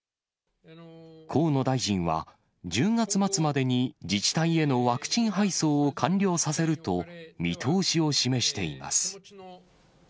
河野大臣は、１０月末までに自治体へのワクチン配送を完了させると見通しを示しています。